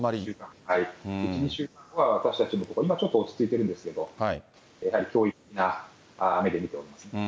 １、２週間は私たちも、今ちょっと落ち着いてるんですけど、やはり脅威的な目で見ています。